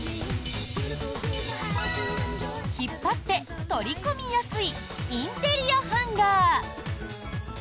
引っ張って取り込みやすいインテリアハンガー。